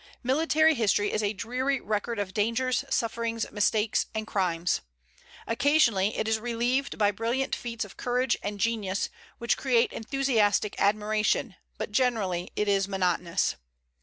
Military history is a dreary record of dangers, sufferings, mistakes, and crimes; occasionally it is relieved by brilliant feats of courage and genius, which create enthusiastic admiration, but generally it is monotonous.